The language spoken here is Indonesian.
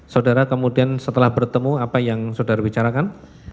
saudara kemudian setelah bertemu apa yang saudara bicarakan